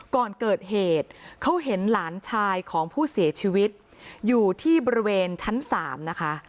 ก่อนเกิดเหตุเขาเห็นหลานชายของผู้เสียชีวิตอยู่ที่บริเวณชั้น๓นะคะ